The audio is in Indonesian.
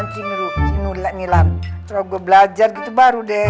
terus gue belajar gitu baru deh